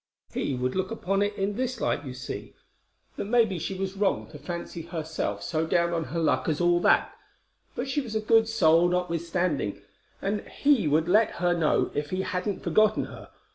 He would look at it in this light, you see, that maybe she was wrong to fancy herself so down on her luck as all that, but she was a good soul, notwithstandin,' and he would let her know he hadn't forgotten her.